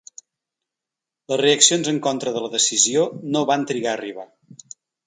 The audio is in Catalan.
Les reaccions en contra de la decisió no van trigar a arribar.